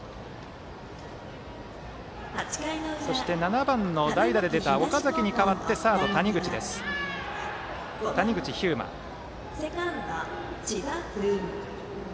そして７番の、代打で出た岡崎に代わってサード、谷口飛球です。